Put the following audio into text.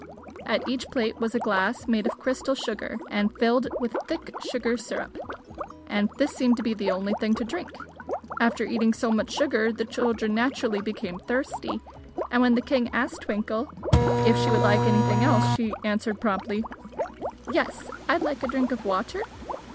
At each plate was a glass made of crystal sugar and filled with thick sugar syrup, and this seemed to be the only thing to drink. After eating so much sugar the children naturally became thirsty, and when the king asked Twinkle if she would like anything else she answered promptly: "Yes, I'd like a drink of water."